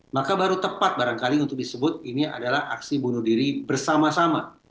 maka baru tepat barangkali untuk disebut ini adalah aksi bunuh diri bersama sama